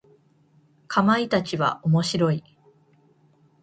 かまいたちは面白い。